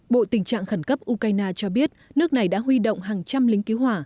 bộ tình trạng khẩn cấp ukraine cho biết nước này đã huy động hàng trăm lính cứu hỏa